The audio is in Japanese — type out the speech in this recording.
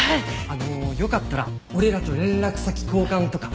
あのうよかったら俺らと連絡先交換とか。